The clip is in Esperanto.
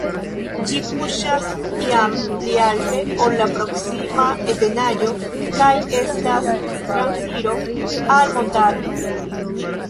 Ĝi kuŝas jam pli alte, ol la proksima ebenaĵo kaj estas transiro al montaro.